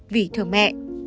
vì thương mẹ